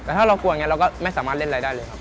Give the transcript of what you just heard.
แต่ถ้าเรากลัวอย่างนี้เราก็ไม่สามารถเล่นอะไรได้เลยครับ